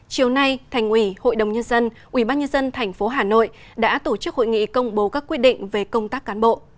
chiều nay thành ủy hội đồng nhân dân ubnd tp hà nội đã tổ chức hội nghị công bố các quyết định về công tác cán bộ